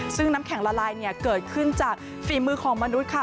ซึ่งน้ำแข็งละลายเกิดขึ้นจากฝีมือของมนุษย์ค่ะ